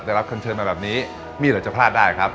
ได้รับคำเชิญมาแบบนี้มีอะไรจะพลาดได้ครับ